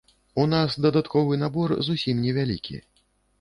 У нас дадатковы набор зусім невялікі.